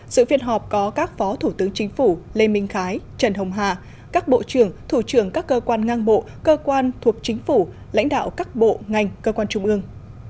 sự phiên họp có các phó thủ tướng chính phủ lê minh khái trần hồng hà các bộ trưởng thủ trưởng các cơ quan ngang bộ cơ quan thuộc chính phủ lãnh đạo các bộ ngành cơ quan trung ương